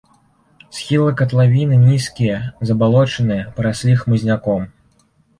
Схілы катлавіны нізкія, забалочаныя, параслі хмызняком.